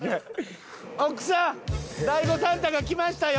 奥さん大悟サンタが来ましたよ！